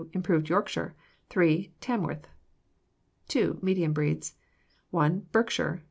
Improved Yorkshire. 3. Tamworth. II. Medium Breeds 1. Berkshire.